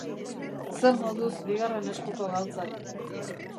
Zer moduz bigarren eskuko galtzak?